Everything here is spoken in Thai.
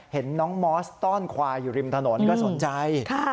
เห็นน้องมอสต้อนควายอยู่ริมถนนก็สนใจ